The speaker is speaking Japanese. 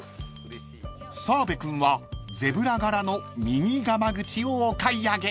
［澤部君はゼブラ柄のミニがま口をお買い上げ］